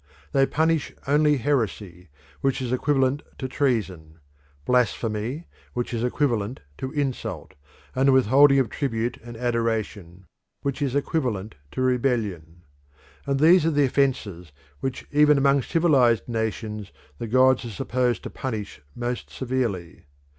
They punish only heresy, which is equivalent to treason; blasphemy, which is equivalent to insult; and the withholding of tribute and adoration, which is equivalent to rebellion. And these are the offences which even among civilised nations the gods are supposed to punish most severely.